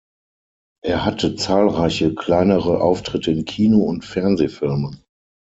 Er hatte zahlreiche kleinere Auftritte in Kino- und Fernsehfilmen.